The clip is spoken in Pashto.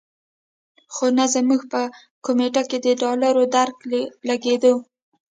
خو نه زموږ په کمېټه کې د ډالرو درک لګېدو.